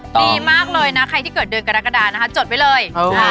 ดีมากเลยนะใครที่เกิดเดือนกรกฎานะคะจดไว้เลย